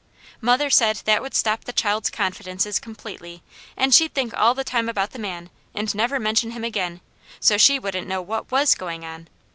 Mother said that would stop the child's confidences completely and she'd think all the time about the man, and never mention him again, so she wouldn't know what WAS going on.